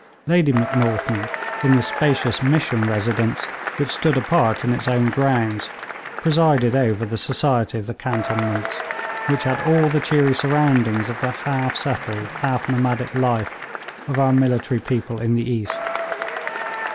Lady Macnaghten, in the spacious mission residence which stood apart in its own grounds, presided over the society of the cantonments, which had all the cheery surroundings of the half settled, half nomadic life of our military people in the East.